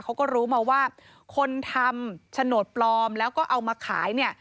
เขาก็รู้มาว่าคนทำโฉนดปลอมแล้วก็เอามาขายเนี่ย